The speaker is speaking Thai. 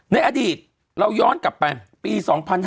ในอดีตเราย้อนกลับไปปี๒๕๕๙